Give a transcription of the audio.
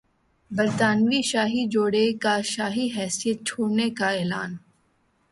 برطانوی شاہی جوڑے کا شاہی حیثیت چھوڑنے کا اعلان